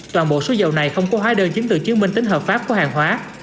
toàn bộ số dầu này không có hóa đơn chứng từ chứng minh tính hợp pháp của hàng hóa